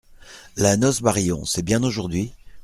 La noce Barillon, c’est bien aujourd’hui ?